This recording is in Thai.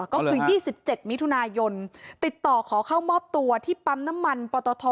ก็คือยี่สิบเจ็ดมิถุนายนติดต่อขอเข้ามอบตัวที่ปั๊มน้ำมันปลอตอทอ